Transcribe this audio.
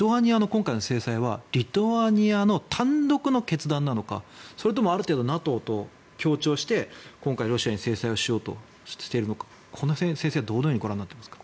今回はリトアニアの単独の決断なのかそれともある程度ＮＡＴＯと協調して今回ロシアに制裁をしようとしているのかこの辺、先生はどうご覧になっていますか？